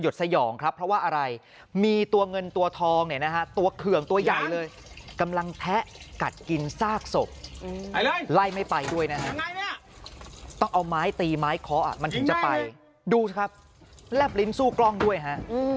ต้องเอาไม้ตีไม้เคาะมันกินจะไปดูครับแลบลิ้นสู้กล้องด้วยฮะ